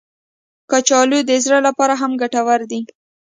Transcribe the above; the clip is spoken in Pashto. کچالو د زړه لپاره هم ګټور دي